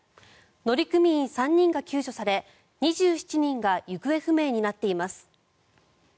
乗組員３人が救助され２７人が行方不明になっています。